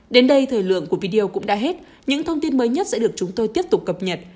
đến đây thời lượng của video cũng đã hết những thông tin mới nhất sẽ được chúng tôi tiếp tục cập nhật